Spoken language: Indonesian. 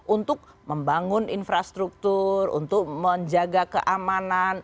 untuk membangun infrastruktur untuk menjaga keamanan